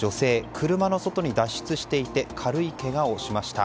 車の外に脱出していて軽いけがをしました。